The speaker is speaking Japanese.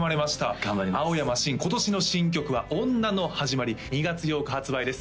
頑張ります青山新今年の新曲は「女のはじまり」２月８日発売です